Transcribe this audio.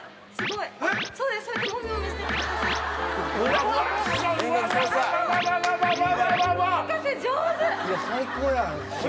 いや最高やん師匠！